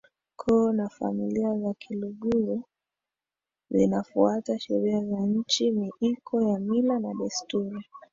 koo na familia za Kiluguru zinafuata sheria za nchi miiko ya mila na desturi